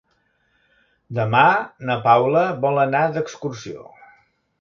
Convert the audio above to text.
Demà na Paula vol anar d'excursió.